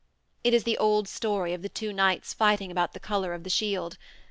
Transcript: It is the old story of the two knights fighting about the color of the shield.